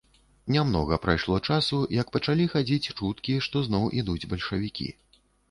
Нямнога прайшло часу, як пачалі хадзіць чуткі, што зноў ідуць бальшавікі.